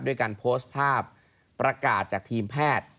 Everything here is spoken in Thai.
ด้วยการโพสต์ภาพประกาศจากทีมแพทย์